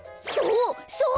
そう！